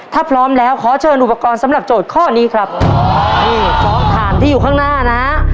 ถ้าพร้อมแล้วขอเชิญอุปกรณ์สำหรับโจทย์ข้อนี้ครับนี่ของถามที่อยู่ข้างหน้านะ